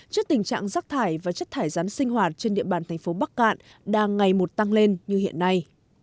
trước tình trạng rác thải và chất thải rắn sinh hoạt trên địa bàn thành phố bắc cạn đang ngày một tăng lên như hiện nay